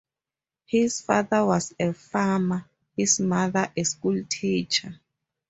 His father was a farmer, his mother a school teacher.